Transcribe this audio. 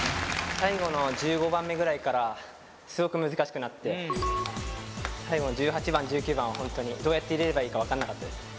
最後の１５番目ぐらいからすごく難しくなって最後の１８番１９番はホントにどうやって入れればいいか分かんなかったです